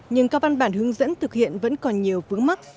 nhưng các văn bản hướng dẫn thực hiện vẫn còn nhiều vướng mắt